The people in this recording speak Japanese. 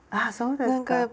あそうですか。